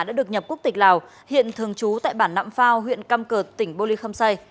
đã được nhập quốc tịch lào hiện thường trú tại bản nạm phao huyện căm cợt tỉnh bô lê khâm xây